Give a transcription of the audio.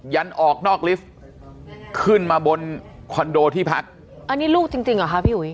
ันออกนอกลิฟต์ขึ้นมาบนคอนโดที่พักอันนี้ลูกจริงจริงเหรอคะพี่อุ๋ย